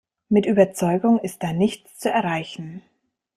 Mit Überzeugung ist da nichts zu erreichen.